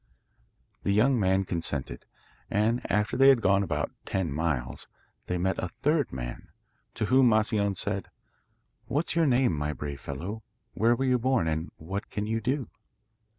The young man consented; and after they had gone about ten miles, they met a third man, to whom Moscione said: 'What's your name, my brave fellow; where were you born, and what can you do?